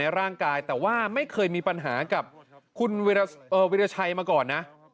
ร่างกายแต่ว่าไม่เคยมีปัญหากับคุณวิราชัยมาก่อนนะ